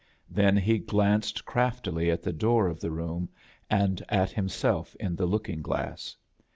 Then he glanced craftily at the door of the room, aad at himself in the looking ^Iass.